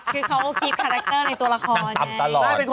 คือเขาคิดคาแรคเตอร์ในตัวละครไง